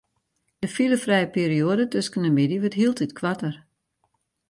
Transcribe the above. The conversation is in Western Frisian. De filefrije perioade tusken de middei wurdt hieltyd koarter.